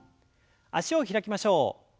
脚を開きましょう。